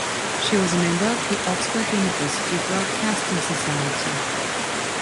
She was a member of the Oxford University Broadcasting Society.